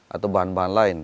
atau bahan bahan lain